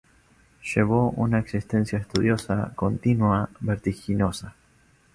Llevó una existencia estudiosa continua, vertiginosa.